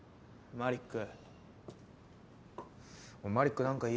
マリック！？